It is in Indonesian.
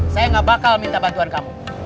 saya gak bakal minta bantuan kamu